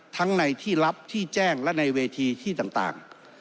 ทั้งในที่ลับที่แจ้งและในเวทีที่ต่าง